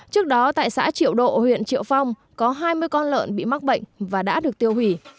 trước đó tại xã triệu độ huyện triệu phong có hai mươi con lợn bị mắc bệnh và đã được tiêu hủy